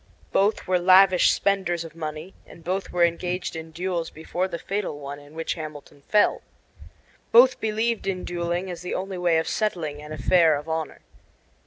Both were lavish spenders of money, and both were engaged in duels before the fatal one in which Hamilton fell. Both believed in dueling as the only way of settling an affair of honor.